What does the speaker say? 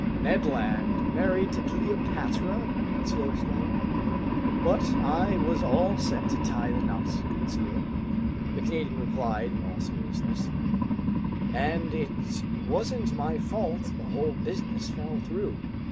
"Ned Land married to Cleopatra?" Conseil exclaimed. "But I was all set to tie the knot, Conseil," the Canadian replied in all seriousness, "and it wasn't my fault the whole business fell through.